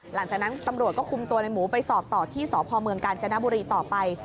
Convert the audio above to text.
หลังจากนั้นตำรวจก็คุมตัวในหมูไปสอบต่อที่สพเมืองกาญจนบุรีต่อไป